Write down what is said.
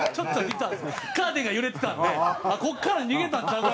カーテンが揺れてたんでここから逃げたんちゃうか？